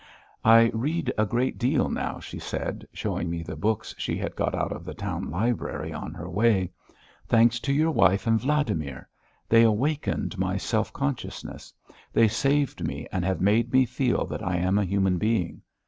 "I read a great deal now," she said, showing me the books she had got out of the town library on her way. "Thanks to your wife and Vladimir. They awakened my self consciousness. They saved me and have made me feel that I am a human being.